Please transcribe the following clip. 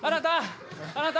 あなた！